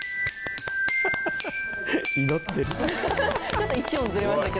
祈ってる。